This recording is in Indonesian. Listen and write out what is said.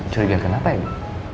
curiga kenapa ya bu